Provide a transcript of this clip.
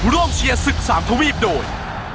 เชียร์ศึกสามทวีปโดย